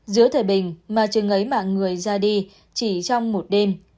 giữa thời bình mà chừng ấy mạng người ra đi chỉ trong một đêm